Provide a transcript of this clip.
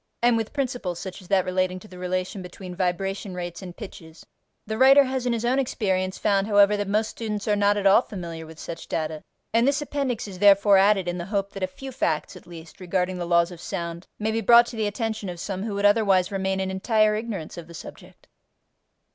and with principles such as that relating to the relation between vibration rates and pitches: the writer has in his own experience found, however, that most students are not at all familiar with such data, and this appendix is therefore added in the hope that a few facts at least regarding the laws of sound may be brought to the attention of some who would otherwise remain in entire ignorance of the subject.